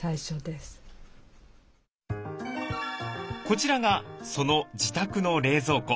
こちらがその自宅の冷蔵庫。